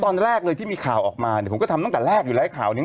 ตอนแรกเลยที่มีข่าวออกมาเนี่ยผมก็ทำตั้งแต่แรกอยู่แล้วข่าวนึง